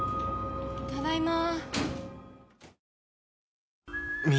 ただいま。